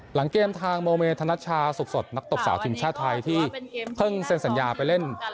หลังเกมทางโมเมธนัชชาสุขสดนักตบสาวทีมชาติไทยที่เพิ่งเซ็นสัญญาไปเล่น